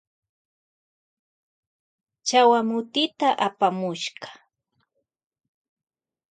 Apamushka chawa moteta.